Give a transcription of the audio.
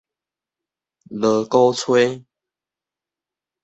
鑼鼓吹